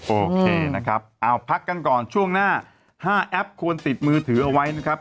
โอเคนะครับเอาพักกันก่อนช่วงหน้า๕แอปควรติดมือถือเอาไว้นะครับ